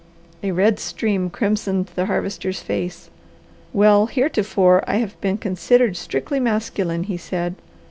A red stream crimsoned the Harvester's face. "Well heretofore I have been considered strictly masculine," he said.